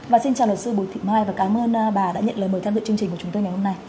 và xin chào luật sư bùi thị mai và cảm ơn bà đã nhận lời mời tham dự chương trình của chúng tôi ngày hôm nay